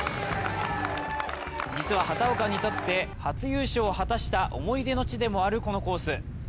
実は畑岡にとって初優勝を果たした思い出の地でもあるこのコース。